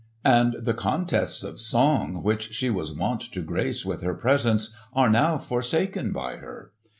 And the contests of song which she was wont to grace with her presence are now forsaken by her.